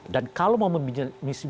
dan kalau mau memiliki